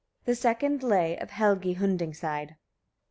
] THE SECOND LAY OF HELGI HUNDINGCIDE.